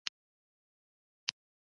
ځوانانو ته پکار ده چې، ماشومانو تعلیم ورکړي.